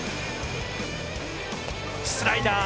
スライダー！